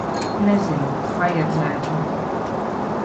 Nezinu. Vajadzētu.